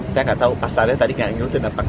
belanja pak belanja pak